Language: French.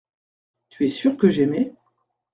Tu es sûr que j’aimais.